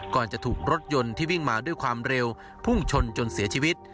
ก่อนจะถูกรถยนต์ที่วิ่งมาด้วยความเร็วพุ่งชนจนเสียชีวิต